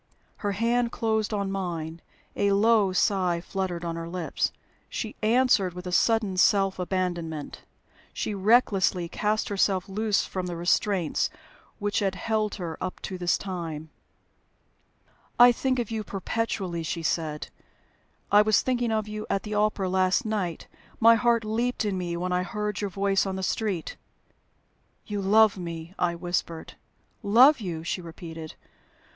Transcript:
Her hand closed on mine, a low sigh fluttered on her lips. She answered with a sudden self abandonment; she recklessly cast herself loose from the restraints which had held her up to this time. "I think of you perpetually," she said. "I was thinking of you at the opera last night. My heart leaped in me when I heard your voice in the street." "You love me!" I whispered. "Love you!" she repeated.